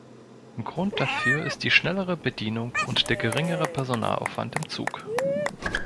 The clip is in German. Grund dafür ist die schnellere Bedienung und der geringere Personalaufwand im Zug.